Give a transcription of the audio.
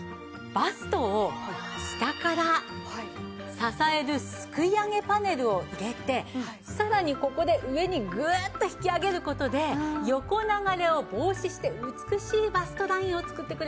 バストを下から支えるすくい上げパネルを入れてさらにここで上にグッと引き上げる事で横流れを防止して美しいバストラインを作ってくれます。